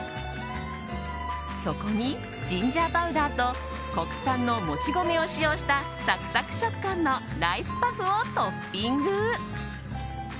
そこにジンジャーパウダーと国産のもち米を使用したサクサク食感のライスパフをトッピング。